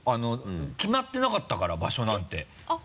決まってなかったから場所なんてえっ？